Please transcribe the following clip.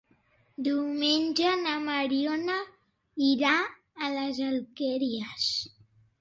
Diumenge na Mariona irà a les Alqueries.